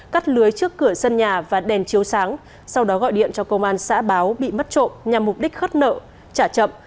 cắt lưới trước cửa sân nhà và đèn chiếu sáng sau đó gọi điện cho công an xã báo bị mất trộm nhằm mục đích khất nợ trả chậm